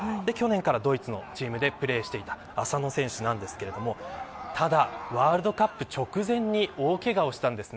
去年からドイツのチームでプレーをしていた浅野選手ですがただ、ワールドカップ直前に大けがをしたんです。